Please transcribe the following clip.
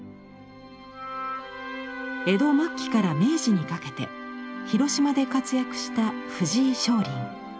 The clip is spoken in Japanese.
江戸末期から明治にかけて広島で活躍した藤井松林。